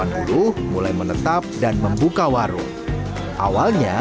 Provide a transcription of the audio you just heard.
awalnya warung sate ini diperlukan untuk menjaga kemampuan warung